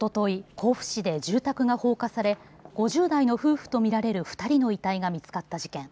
甲府市で住宅が放火され５０代の夫婦と見られる２人の遺体が見つかった事件。